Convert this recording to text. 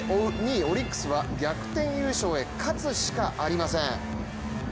２位・オリックスは逆転優勝へ勝つしかありません。